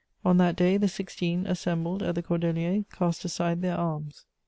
On that day the Sixteen, assembled at the Cordeliers, cast aside their arms."